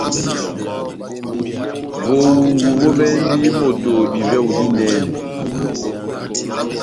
Vohungu vovɛndi moto divɛhu dinɛnɛ.